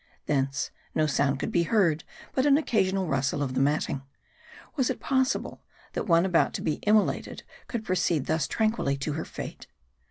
Thence, no sound could be heard, but an occasional rustle of the mat ting. Was it possible, that one about to be immolated could proceed thus tranquilly to her fate